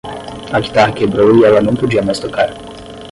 A guitarra quebrou e ela não podia mais tocar.